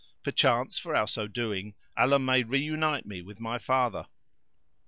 Perchance for our so doing Allah may reunite me with my father."